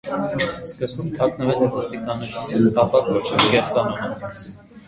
Սկզբում թաքնվել է ոստիկանությունից, ապա գործել է կեղծանունով։